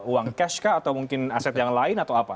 uang cash kah atau mungkin aset yang lain atau apa